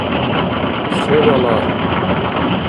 Се балагь?